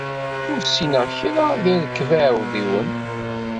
Ur ssineɣ kra deg rrekba iɛudiwen.